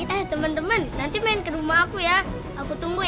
eh teman teman nanti main ke rumah aku ya aku tunggu ya